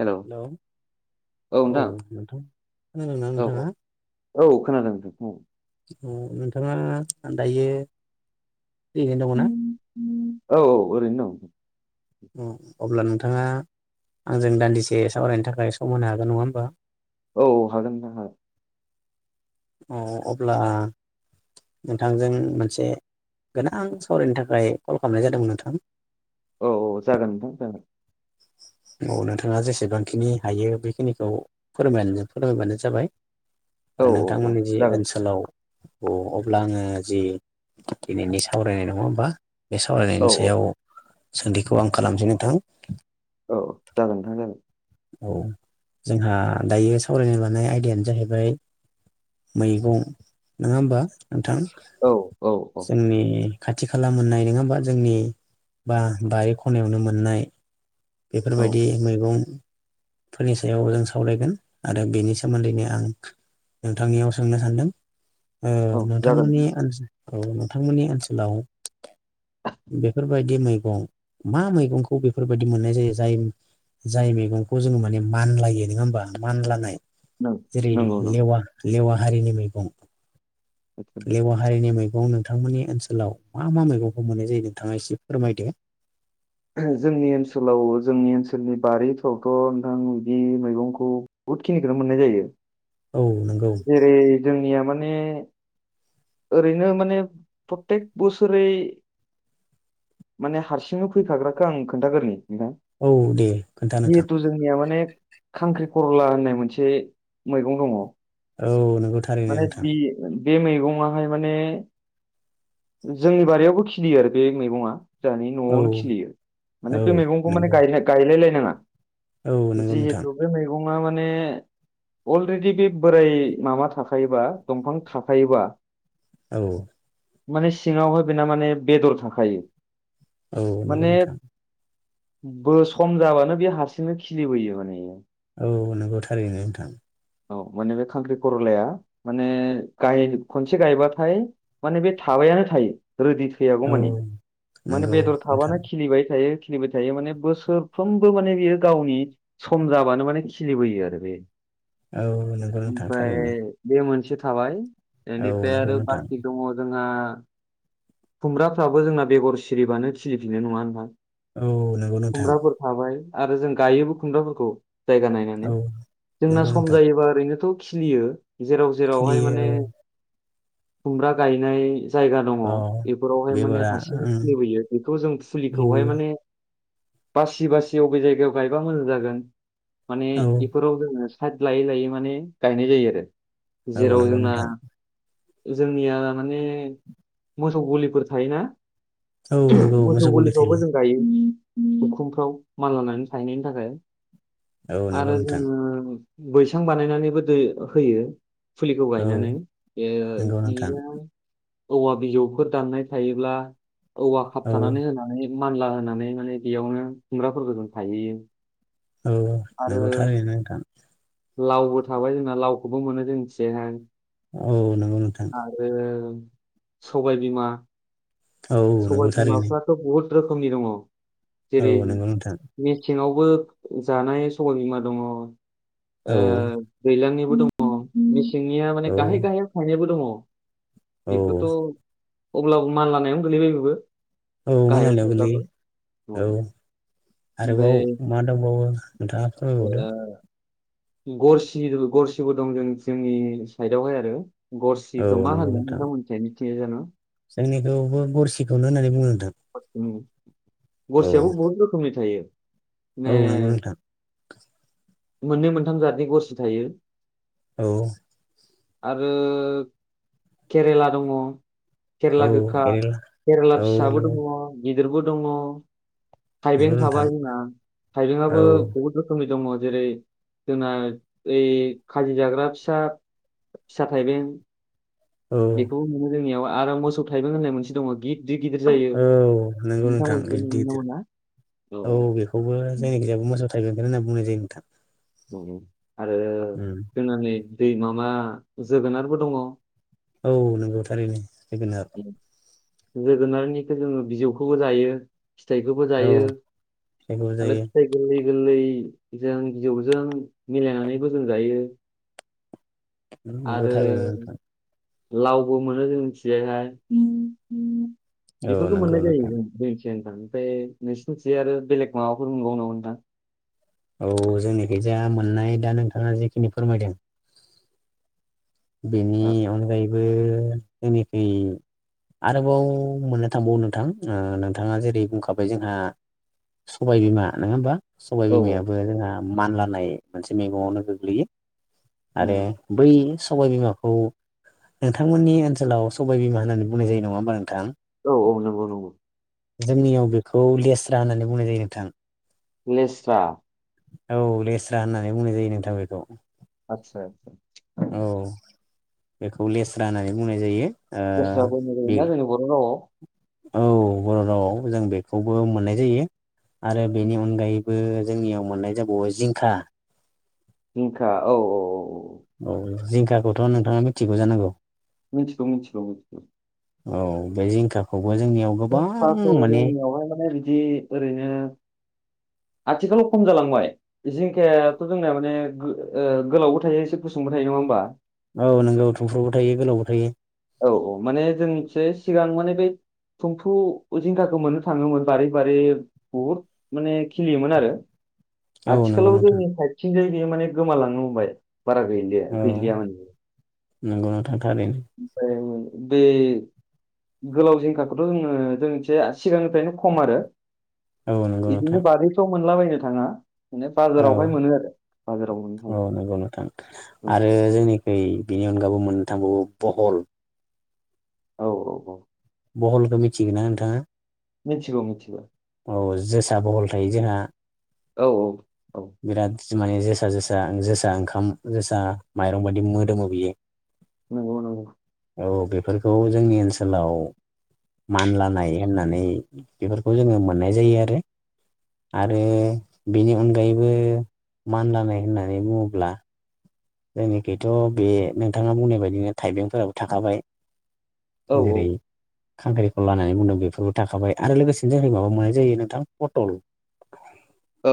Hello hello औ नोंथां। खोनादों ना औ नोंथाङा? औ औ खोनादों नोंथां औ नोंथाङा आनदायो फ्रियैनो दङ ना? औ औ ओरैनो दं। अ' अब्ला नोंथाङा आंजों दान्दिसे सावरायनो थाखाय सम होनो हागोन नङा होमबा? औ औ हागोन नोंथां हाग औ अब्ला नोंथांजों मोनसे गोनां सावरायनो थाखाय कल खामनाय जादोंमोन नोंथां। औ औ जागोन नोंथां जागोन। औ नोंथाङा जेसेबांखिनि हायो बेखिनिखौ फोरमायनानै फोरमायबानो जाबाय। औ ओ औ औ नोंथांमोननि जि जागोन ओनसोलाव अ' अब्ला आङो जि दिनैनि सावरायनाय नङा होमबा? बे औ सावरायनायनि सायाव सोंथिखौ आं खालामसै नोंथां। औ जागोन नोंथां जागोन। औ जोंहा दायो सावरायनो लानाय आयदायानो जाहैबाय मैगं नोङा होमबा नोंथां? औ औ जोंनि खाथि खाला मोननाय नोङा होमबा जोंनि बा बारि खनायावनो मोननाय। औ बेफोरबायदि मैगं फोरनि सायाव जों सावरायगोन। आरो बेनि सोमोन्दैनो आं नोंथांनियाव सोंनो सान्दों। ओ औ जागोन नोंथांमोननि ओनस औ नोंथांमोननि ओनसोलाव बे फोरबायदि मैगं मा मैगंखौ बेफोर बायद दि मोननाय जायो। जाय जाय मेगंखौ जोङो माने मानलायो नङा होमबा? मानलानाय नों जेरै नंगौ नों लेवा लेवा हारिनि मैगं लेवा हारिनि मैग गं नोंथांमोननि ओनसोलाव मा मा मैगंखौ मोननाय जायो नोंथाङा इसे फोरमायदो। जोंनि ओनसोलाव जोंनि ओनसोलनि बारिफ्रावथ' नोंथां बिदि मैगंखौ बुहुद खिनिखोनो मोननाय जायो। औ नंगौ जेरै जोंनिया माने ओरैनो माने प्रथेक बोसोरै माने हारसिंनो फैखाग्राखो आं खोन्थाग्रोनि। नोंथां औ दे खोन्था नोंथां जिहेथु जोंनिया माने खांख्रि खर'ला होननाय मोनसे मैगं दङ। औ नोंगौ थारैनो माने नोंथां। बे बे मैगङाहाय माने जोंनि बारियावबो खिलियो आरो बे मैगङा। जाहानि औ न'आवनो खिलियो माने बे मैगंखौ माने नंगौ गायलाय-गायलायलाय नाङा। औ नंगौ नोंथां जिहेथु बे मैगंआ माने। अलरेडि बे बोराय माबा थाखायोबा दंफां थाफायोबा। औ। माने सिङावहाय बेना माने बेदर थाखायो। औ नंगौ माने नोंथां। बो सम जाबानो बे हारसिंनो खिलिबोयो माने। औ नोंगौ थारैनो नोंथां। औ माने बे खांख्रि खरलाया माने गाय खनसे गायबाथाय माने बे थाब बायानो थायो। रोदि थैयागौ औ मानि‌, माने नंगौ बेदर नोंथां थाबानो खिलिबाय थायो। खिलिबाय थायो माने बोसोरफ्रोमबो माने बियो गावनि सम जाबानो माने खिलिबोयो आरो बे। औ नंगौ नोंथां थारैनो ओमफाय बे मोनस से थाबाय औ एनिफ्राय नंगौ आरो नोंथां बाखि दङ जोंहा खुमब्राफ्राबो जोंना बेगर सिरिबानो खिलिफिन नङा नोंथां? औ नंगौ नोंथां। खुमब्राफोर थाबाय आरो जों गायोबो खुमब्राफोरखौ जायगा नायनानै। औ जोंना नंगौ सम नोंथां जायोबा ओरै नोथ' खिलियो जेराव जेरावहाय माने खिलियो खुमब्रा गायनाय जायगा दङ औ बेफोरावहाय माने बेगरा हारसिं ओम खुलिबोयो बेखौ जों फुलिखौहाय खिलियो माने बासि बासि अबे जायगायाव गायबा मोजां जागोन माने औ इफोराव जोङो साइड लायै लायै माने गायनाय जायो आरो। औ जेराव नंगौ जोंना नोंथां जोंनिया माने मोसौ गलिफोर थायोना औ नंगौ मोसौ गलि थायो गलिफ्रावबो जों गायो। उखुमफ्राव माल लानानै थाहैनायनि थाखाय औ नंगौ आरो नोंथां जोङो बैसां बानायनानैबो दै होयो। फुलिखौ औ गायनानै बेयो नंगौ नोंथां बिनिनो। औवा बिजौफोर दाननाय थायोब्ला औवा औ खाबथानानै होनानै मानला होनानै माने बेयावनो खुमब्राफोरबो जों थायहोयो। औ आरो नंगौ थारैनो नोथां। लावबो थाबाय जोंना लावखौबो मोनो जोंथिहाय। औ नंगौ नोंथां। सबायबिमा, औ सबाय नंगौ थारैनो बिमाफ्राथ' बहुत रोखोमनि दङ। औ नोंगौ नोंथां। सेंङावबो जानाय सबायबिमा दङ ओ औ दैलांनि बो दङ। मेसेंनिया औ माने गाहाय गाहायाव थायनायबो दङ। औ बेखोथ' अब्लाबो मान लानायानोनो गोलैबाय बेबो। औ गाहायाव मानलानायाव थायब्लाबो गोलैयो औ। आरोबाव ओमफ्राय मा दंबावो नोंथाङा ओ फोरमायबावदो। गरसि, गरसिबो दं जों जोंनि साइदावहाय आरो। औ गरसिखो मा नंगौ होनो नोंथां नोंथांमोननि थिंजजाय मिथियो जानो? जोंनिखौबो गरसिखौनो होननानै बुङो नोंथां। उम। औ गरसियाबो बहुत रोखोमनि थायो। माने औ नंगौ नोंथां। मोननै मोनथाम जातनि गरसि थायो। औ। आरो केरेला दङ। औ केरेला गोखा। केरेला केरेला औ फिसाबो दं। नंगौ गिदिरबो दङ। नंगौ थाइबें नोंथां थाबाय जोंना, औ थाइबेंआबो बहुत रोखोमनि दङ। जेरै जोंना ओइ खाजि जाग्रा फिसा फिसा थाइबें। औ बेखौबो मोनो जोंनियाव, आरो मोसौ थाइबें होननाय मोनसे दङ गिद गिदिर गिदिर जायो। औ नंगौ नोंथां नोंथांमोननिखै बिदि मोनोना गिदिर मोना? औ बेखौबो जोंनि खिजायबो मोसौ थाइबेंखौनो होनना बुंनाय जायो नोंथां। औ ओ। आरो उम जोंना नै दै माबा जोगोनारबो दङ। औ नंगौ थारैनो जोगोनार। जोगोनारनिखौ जोङो बिजौखौबो जायो। फिथाइखौबो औ जायो जायखौ आरो जायो फिथाइ गोरलै गोरलै जों बिजजौजों मिलायनानैबो जों जायो। नोंगौ आरो थारैनो नोंथां। लावबो मोनो जों जोंनिथिंजायहाय। औ बेफोरखौ नंगौ मोननाय जायो नोंथां जों जोंनि ओमफ्राय नोंसोरनिथिं आरो बेलेग माबाफोर मोनबावो नामा नोंथां? औ जोंनिखैजा मोननाय दा नोंथाङा जेखिनि फोरमायदों बेनि नोंथां अनगायैबो जोंनिखै आरोबाव मोननो थांबावो नोंथां ओ नोंथाङा जेरै बुंखाबाय जोंहा सबायबिमा नङाहोमबा? सबाय औ बिमायाबो जोंहा मानलानाय मोनसे मैगङावनो गोग्लैयो आरो नंगौ। बै सबायबिमाखौ नोंथांमोननि ओनसोलाव सबाय बिमा होननानै बुंनाय जायो नङा होमबा नोंथां औ औ नंगौ नंगौ जोंनियाव बेखौ लेस्रा होननानै बुंनाय जायो नोंथां लेस्रा औ लेस्रा होननानै बुंनाय जायो नोंथां बेखौ आतसा आतसा औ बेखौ लेस्रा होननानै बुंनाय जायो। ओ लेस्रा बुंनाय बे जायोना जोंनि बर' रावआव औ बर' रावआव जों बेखौबो मोननाय जायो आरो बेनि अनगायैबो जोंनियाव मोननाय जाबावो जिंखा जिंखा औ औ औ जिंखाखौथ' नोंथाङा मिथिगौ जानांगौ मिथिगौ मिथिगौ मिथिगौ औ बे जिंखाखौ जिंखाखौ जोंनियावहाय माने बिदि ओरैनो आथिखालाव खम जालांबाय जिंखायाथ जोंनाया माने ओ गोलावबो थायो एसे गुसुंबो थायो थायो नङा होनबा? औ नोंगौ थुमफ्रुबो थायो गोलावबो थायो औ औ माने जोंनिखिजाय सिगां माने बै थुमफ्रु जिंखाखौ मोननो थाङोमोन बारै बारै बहुद माने खिलियोमोन आरो औ नंगौ आथिखालाव नोंथां जोंनि साइथिंजाय बे माने गोमालांनो हमबाय बारा गैलिया औ गैलिया माने इयो नंगौ नोंथां थारैनो बे गोलाव जिंखाखौथ' जोङो जोंनिखिजाय सिगांनिफ्रायनो खम आरो औ नंगौ नोंथां बिदिनो बारिफ्राव मोनलाबायनो थाङा माने औ बाजारावहाय मोनो आरो बाजाराव मोननो थाङो औ नंगौ नोंथां आरो जोंनिखै बिनि अनगाबो मोन्नो थांबावो बहल औ औ औ बहलखौ मिथिगोना नोंथाङा मिथिगौ मिथिगौ औ जोसा बहल थायो जोंहा औ औ औ बिराद जोसा जोसा जोसा ओंखाम जोसा माइरं बायदि मोदोमो बियो। नोंगौ नोंगौ औ बेफोरखौ जोंनि ओनसोलाव मानलानाय होननानै बेफोरखौ जोङो मोननाय जायो आरो आरो बेनि अनगायैबो मानलानाय होननानै बुङोब्ला जोंनिखिथ' बे नोंथाङा बुंनाय बायदिनो थाइबेंफोराबो थाखाबाय औ जेरै खांख्रिखला होननानै बुंदों बेफोरबो थाखाबाय आरो लोगोसेनो जोंनिखै माबाबो मोननाय जायो नोंथां पटल औ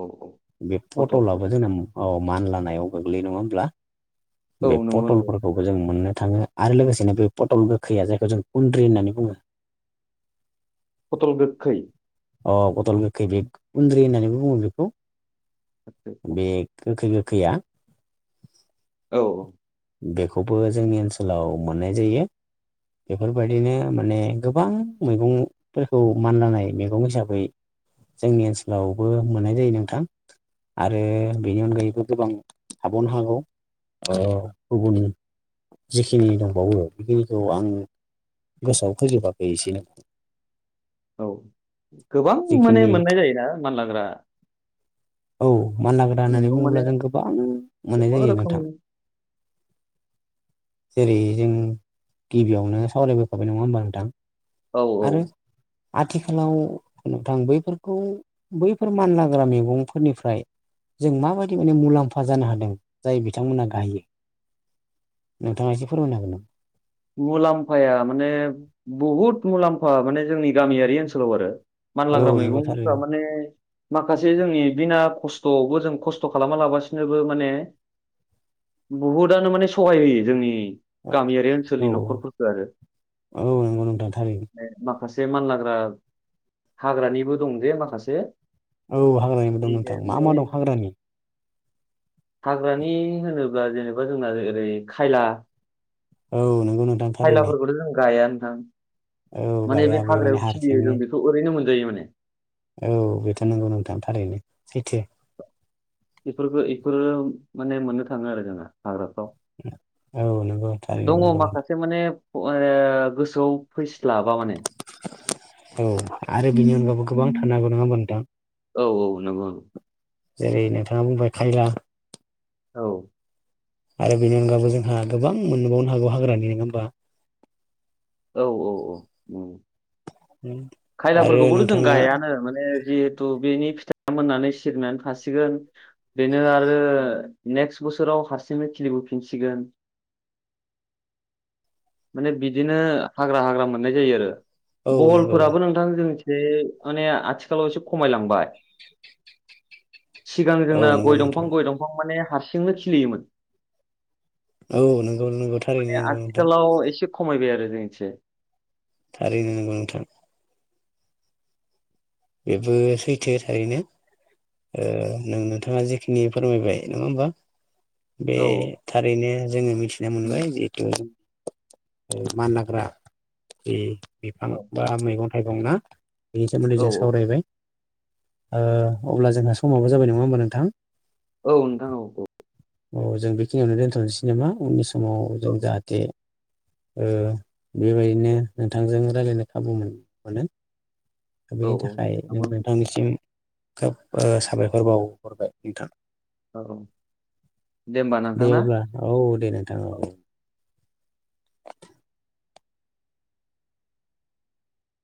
औ औ बे फटल पट'लाबो फटल जोंना औ मानलानायाव गोग्लैयो नङा होमब्ला औ बे नंगौ नंगौ पटलफोरखौबो जों मोननो थाङो आरो लोगोसेनो बे पटल गोखैया जायखौ जों खुन्द्रि होननानै बुङो फटल गोखै अ पटल गोखै बे खुन्द्रि होननानैबो बुङो बेखौ बे गोखै गोखैया औ औ बेखौबो जोंनि ओनसोलाव मोननाय जायो। बेफोरबायदिनो माने गोबां मैगंफोरखौ मानलानाय मैगं हिसाबै जोंनि ओनसोलावबो मोननाय जायो नोंथां, आरो बेनि अनगायैबो गोबां थाबावनो हागौ ओ गुबुन जिखिनि दंबावो बेखिनिखौ आं गोसोआव फैजोबाखै एसेनो औ गोबां माने जिखिनि मोननाय जायोना मानलाग्रा। औ मानलाग्रा होननानै मैगं माने बुङोब्ला जों गोबां मोननाय गोबां जायो नोंथां। रोखोमनि जेरै जों गिबियावनो सावरायबोखाबाय नङा होमबा नोंथां? औ औ आरो आथिखालाव नोंथां बैफोरखौ बैफोर मानलाग्रा मैगंफोरनिफ्राय जों माबायदि माने मुला म्फा जानो हादों जाय बिथांमोना गायो, नोंथाङा एसे फोरमायनो हागोन नामा? मुलाम्फाया माने बहु मानलाग्रा औ नंगौ मैगंफ्रा थारैनो माने माखासे जोंनि बिना ख स्थ'आवबो जों खस्थ' खालामा लाबासिनोबो माने बुहुदानो माने सहाय होयो जोंनि गामियारि ओनसो लनि फोरनि औ न'खरफोरखो आरो औ नंगौ नोंथां थारैनो [inaudible] माखासे [inaudible] मानलाग्रा हाग्रानिबो दं जे माखासे औ हाग्रानिबो दं नोंथां मा मा माने दं हाग्रानि? हाग्रानि होनोब्ला जेनेबा जोंना ओरै खायला औ नंगौ नोंथां थारैनो खायलाफोरखौथ' जों गायानो औ माने गाया बे माने हाग्रायाव खिलियो हारसिंनो जों बेखौ ओरैनो मोनजायो माने। औ बेथ' नंगौ नोंथां थारैनो सैथो। बेफोरखौ इफोरो माने मोननो थाङो आरो जोंना हाग्रा औ नंगौ [inaudible] थारैनो दङ नंगौ माखासे माने ओ गोसोआव फैस्लाबा माने। औ आरो बेनि अनगायबो गोबां थानो हागौ नङा होनबा नोंथां? औ औ नंगौ नंगौ। जेरै नोंथाङा बुंबाय खायला औ आरो बेनि अनगायबो जोंहा गोबां मोननोबावनो हागौ हाग्रानि नङा होनबा? औ औ औ [inaudible] आरो खायलाफोरखौबोथ' जों नोंथाङा गायानो माने जिहेथु बेनि फिथ मोननानै सिरिनानै थासिगोन बेनो आरो नेक्स्ट बोसोराव हारसिंनो खिलि बोफिनसिगोन। [inaudible] माने बिदिनो हाग्रा हाग्रा मोननाय जायो आरो। औ नंगौ बहलफोराबो नोंथां जोंनि बे माने आथिखालाव एसे खमायलांबाय। सिगां औ जोंना नंगौ गय दंफां नोंथां गय दंफां माने हारसिंनो खिलियोमोन। औ नोंगौ नोंगौ थारैनो माने नंगौ नोंथां। आथिखालाव एसे खमायबाय आरो जोंनिथिंजाय। थारैनो नोंगौ नोंथां। बेबो सैथो थारैनो। ओ नों-नोंथाङा जेखिनि फोरमायबाय नङा होमबा। बे औ थारैनो जोङो मिथिनो मोनबाय जिहेतु [inaudible] ओ मान हाग्रा जि बिफां औ बा मैगं थाइगं ना। बेसो मुलि औ जास ओ अब्ला जोंहा समावो जाबाय नङा होमबा नोंथां? औ नोंथां औ औ औ जों बेखिनियावनो दोनथ'नोसै नामा उननि समाव जों जाहाथे ओ बेबायदिनो नोंथांजों रायजलायनो खाबु मोन मोनो औ औ जों नंगौ नोंथां नोंथांनिसिम खोब साबायखर बावहरबाय नोंथां औ औ होमबा [inaudible] दे नोंथां ना अब्ला औ औ दे नोंथां औ औ [unintelligible]